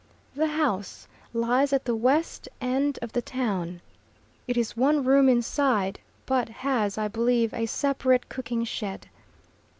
The house lies at the west end of the town. It is one room inside, but has, I believe, a separate cooking shed.